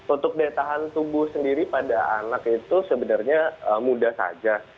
untuk daya tahan tubuh sendiri pada anak itu sebenarnya mudah saja